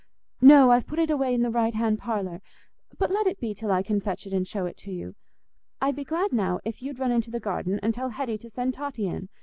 "No, I've put it away in the right hand parlour; but let it be till I can fetch it and show it you. I'd be glad now if you'd go into the garden and tell Hetty to send Totty in.